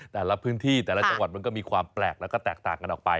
แต่ละพื้นที่แต่ละจังหวัดมันก็มีความแปลกแล้วก็แตกต่างกันออกไป